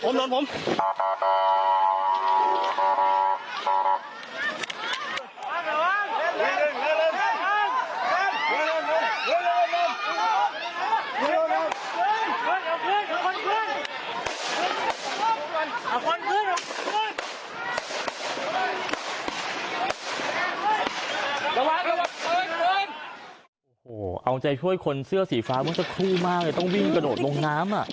โอ้โหเอาใจช่วยคนเสื้อสีฟ้าเมื่อสักครู่มากเลยต้องวิ่งกระโดดลงน้ำอ่ะ